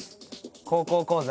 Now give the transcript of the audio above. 「高校講座」。